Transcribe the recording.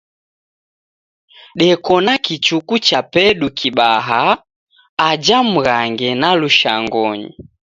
Deko na kichuku chapedu kibaha aja Mghange na Lushangonyi.